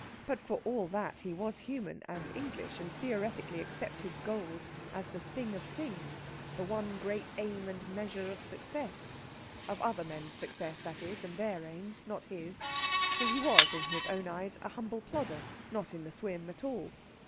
But for all that he was human, and English, and theoretically accepted gold as the thing of things, the one great aim and measure of success. Of other men's success, that is, and their aim, not his. For he was, in his own eyes, a humble plodder, not in the swim at all.